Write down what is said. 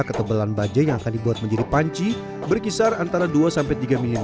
ketebalan bajai yang akan dibuat menjadi panci berkisar antara dua sampai tiga miliar